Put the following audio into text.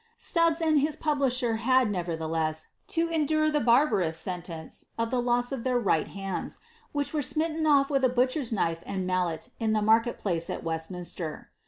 Stubbs and his publisher had, nevertheless, to endure the barbarous sentence of the loss of their right hands, which were smitten off with a butcher's knife and mallet in the market place at Westminster.